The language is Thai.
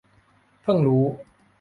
เพิ่งรู้